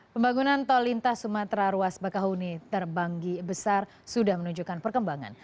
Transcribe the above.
pembangunan tol lintas sumatera ruas bakahuni terbanggi besar sudah menunjukkan perkembangan